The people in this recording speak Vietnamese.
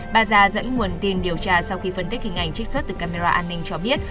bàza dẫn nguồn tin điều tra sau khi phân tích hình ảnh trích xuất từ camera an ninh cho biết